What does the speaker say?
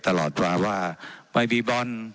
ตลอดตราว่าไม่มีบอล